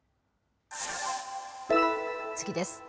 次です。